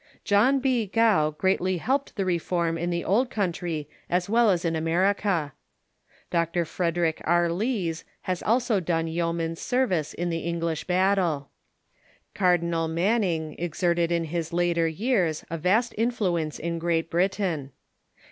John B. Gough greatly helped the reform in the old country as well as in America. Dr. Frederick R. Lees has also done yeoman's service in the English battle. Cardinal Manning exerted in his later years a vast influence in Great Britain.